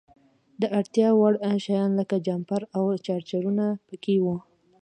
د اړتیا وړ شیان لکه جمپر او چارجرونه په کې وو.